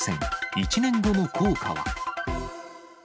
１年後の効果は？